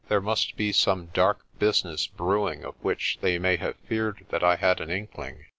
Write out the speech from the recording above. There must be some dark business brewing of which they may have feared that I had an inkling.